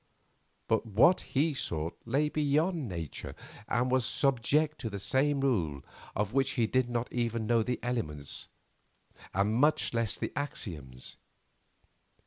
But what he sought lay beyond nature and was subject to some rule of which he did not even know the elements, and much less the axioms.